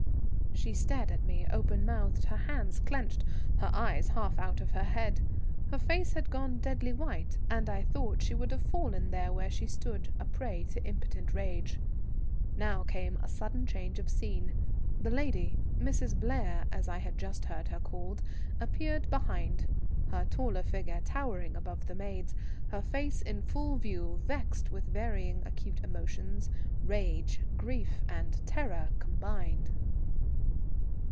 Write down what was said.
She stared at me open mouthed, her hands clenched, her eyes half out of her head. Her face had gone deadly white, and I thought she would have fallen there where she stood, a prey to impotent rage. Now came a sudden change of scene. The lady, Mrs. Blair, as I had just heard her called, appeared behind, her taller figure towering above the maid's, her face in full view, vexed with varying acute emotions, rage, grief, and terror combined.